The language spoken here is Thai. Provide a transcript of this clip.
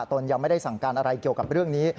ตนยังไม่ได้สั่งการอะไรเกี่ยวกับเรื่องนี้